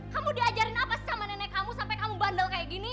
kamu diajarin apa sama nenek kamu sampai kamu bandel kayak gini